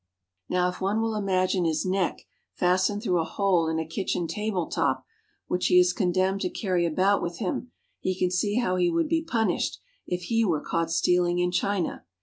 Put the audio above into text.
Now if one will imagine his neck fastened through a hole in a kitchen table top, which he is condemned to carry about with him, he can see how he would be punished if he were caught stealing in China.